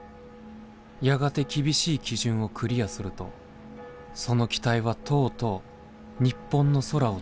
やがて厳しい基準をクリアするとその機体はとうとう日本の空を飛び始めたのだ。